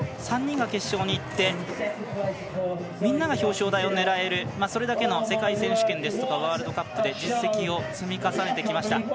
３人が決勝にいってみんなが表彰台を狙えるそれだけの、世界選手権ですとかワールドカップで実績を積み重ねてきました。